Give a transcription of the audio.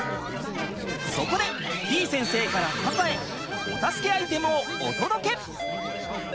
そこでてぃ先生からパパへお助けアイテムをお届け！